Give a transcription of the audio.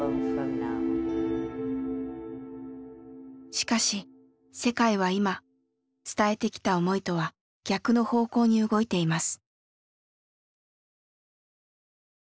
しかし世界は今伝えてきた思いとは逆の方向に動いています。